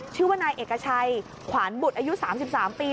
ชื่อว่านายเอกชัยขวานบุตรอายุ๓๓ปี